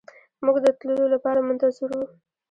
موږ د تللو لپاره منتظر وو.